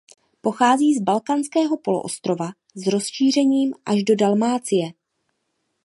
Pochází z Balkánského poloostrova s rozšířením až do Dalmácie.